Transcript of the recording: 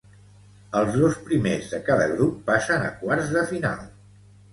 Els dos primers de cada grup passen a quarts de final.